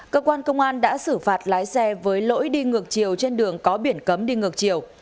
cơ quan công an đã xử phạt lái xe với lỗi đi ngược chiều trên đường có biển cấm đi ngược chiều